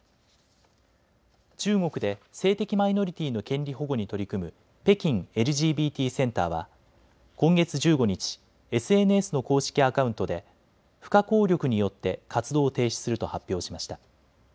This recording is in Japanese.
中国で性的マイノリティーの権利保護に取り組む北京ＬＧＢＴセンターは今月１５日、ＳＮＳの公式アカウントで不可抗力によって活動を停止すると発表しました。